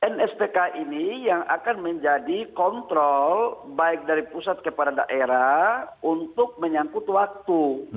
nstk ini yang akan menjadi kontrol baik dari pusat kepada daerah untuk menyangkut waktu